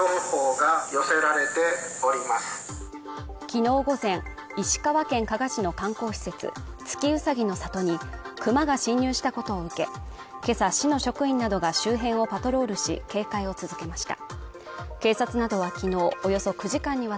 昨日午前石川県加賀市の観光施設、月うさぎの里に熊が侵入したことを受け、今朝市の職員などが周辺をパトロールし、警戒を続けました。